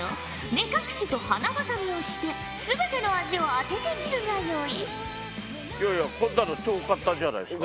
目隠しと鼻ばさみをして全ての味を当ててみるがよい。